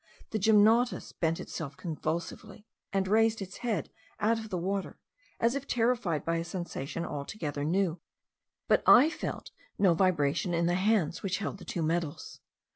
The gymnotus bent itself convulsively, and raised its head out of the water, as if terrified by a sensation altogether new; but I felt no vibration in the hands which held the two metals.